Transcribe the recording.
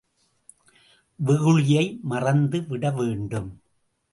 வெகுளியை மறந்துவிட வேண்டும்.